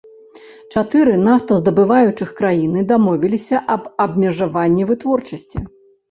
Чатыры нафтаздабываючых краіны дамовіліся аб абмежаванні вытворчасці.